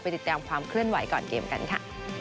ติดตามความเคลื่อนไหวก่อนเกมกันค่ะ